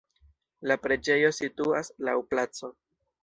La preĝejo situas laŭ placo.